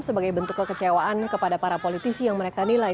sebagai bentuk kekecewaan kepada para politisi yang mereka nilai